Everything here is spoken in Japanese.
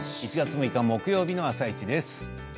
１月６日木曜日の「あさイチ」です。